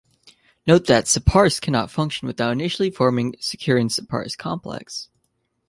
Note that separase cannot function without initially forming the securin-separase complex.